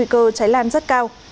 cơ cháy lan rất cao